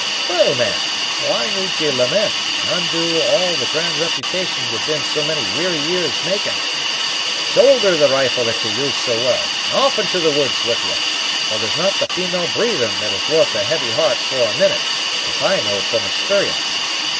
"Well, man, why need ye lament, and undo all the grand reputation ye've been so many weary years making? Shoulder the rifle that ye use so well, and off into the woods with ye, for there's not the female breathing that is worth a heavy heart for a minute, as I know from experience.